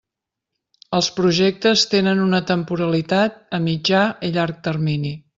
Els projectes tenen una temporalitat a mitjà i llarg termini.